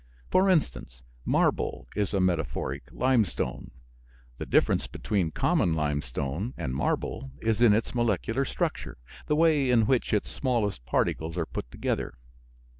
For instance, marble is a metamorphic limestone. The difference between common limestone and marble is in its molecular structure the way in which its smallest particles are put together.